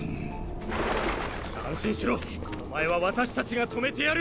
安心しろお前は私たちが止めてやる。